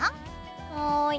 はい。